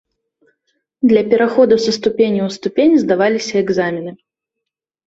Для пераходу са ступені ў ступень здаваліся экзамены.